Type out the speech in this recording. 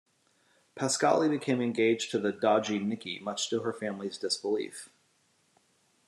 Pascalle becomes engaged to the dodgy Nicky much to her family's disbelief.